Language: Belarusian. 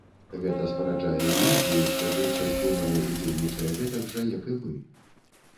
Гэта спараджае ілюзію, што большасць думае і дзейнічае гэтак жа, як і мы.